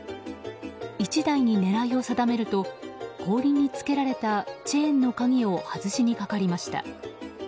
１台に狙いを定めると後輪につけられたチェーンの鍵を外しにかかりました。